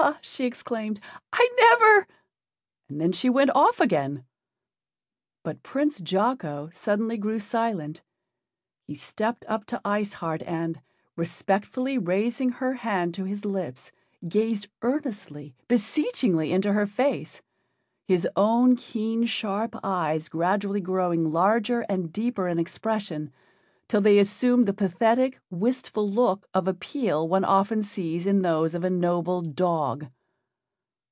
she exclaimed, "I never " and then she went off again. But Prince Jocko suddenly grew silent. He stepped up to Ice Heart and, respectfully raising her hand to his lips, gazed earnestly, beseechingly into her face, his own keen sharp eyes gradually growing larger and deeper in expression, till they assumed the pathetic, wistful look of appeal one often sees in those of a noble dog.